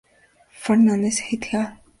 Fernández et al.